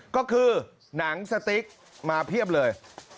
ก็คือหนังสติ๊กมาเพียบเลย